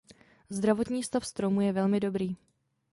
Zdravotní stav stromu je velmi dobrý.